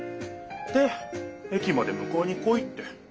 で駅までむかえに来いって。